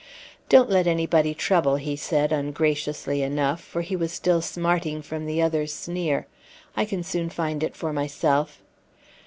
"Don't let anybody trouble," he said, ungraciously enough, for he was still smarting from the other's sneer. "I can soon find it for myself."